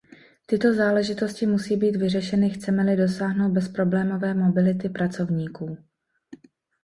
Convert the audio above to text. Tyto záležitosti musí být vyřešeny, chceme-li dosáhnout bezproblémové mobility pracovníků.